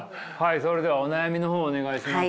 それではお悩みの方をお願いします。